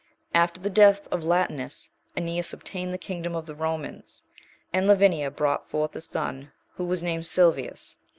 After the death of Latinus, Aeneas obtained the kingdom Of the Romans, and Lavinia brought forth a son, who was named Silvius.